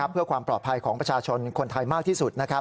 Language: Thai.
เพื่อความปลอดภัยของประชาชนคนไทยมากที่สุด